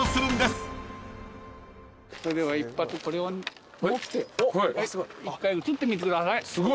それでは一発これを持って一回写ってみてください。